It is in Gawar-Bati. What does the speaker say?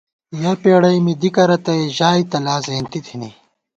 یَہ پېڑَئی می دِکہ رتئ ژائے تہ لا زېنتی تھنی